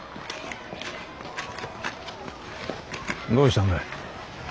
どうしたんだ。